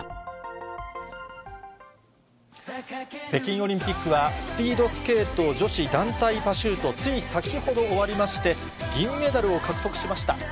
北京オリンピックはスピードスケート女子団体パシュート、つい先ほど終わりまして、銀メダルを獲得しました。